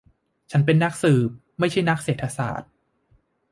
ฉันเป็นนักสืบ ไม่ใช่นักเศรษฐศาสตร์